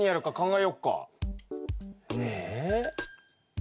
え？